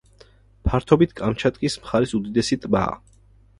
ფართობით კამჩატკის მხარის უდიდესი ტბაა.